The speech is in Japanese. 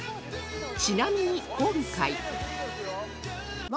ちなみに今回